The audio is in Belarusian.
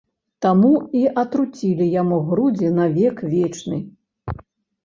Там і атруцілі яму грудзі на век вечны.